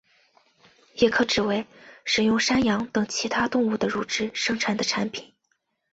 也可指为使用山羊等其他动物的乳汁生产的产品。